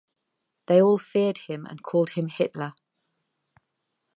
They all feared him and called him Hitler.